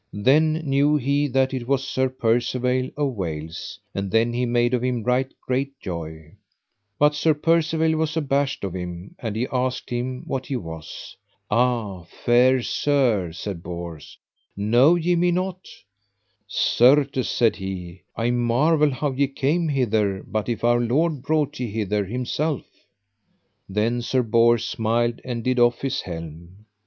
Then knew he that it was Sir Percivale of Wales, and then he made of him right great joy; but Sir Percivale was abashed of him, and he asked him what he was. Ah, fair sir, said Bors, know ye me not? Certes, said he, I marvel how ye came hither, but if Our Lord brought ye hither Himself. Then Sir Bors smiled and did off his helm.